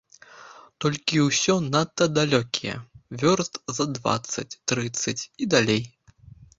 Толькі ўсё надта далёкія, вёрст за дваццаць, трыццаць і далей.